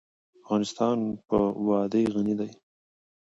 افغانستان په وادي غني دی.